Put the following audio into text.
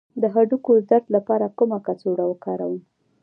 د هډوکو د درد لپاره کومه کڅوړه وکاروم؟